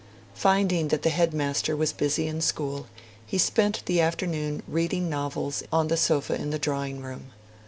Finding that the headmaster was busy in school, he spent the afternoon reading novels on the sofa in the drawing room.